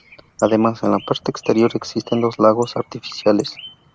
Además, en la parte exterior existen dos lagos artificiales.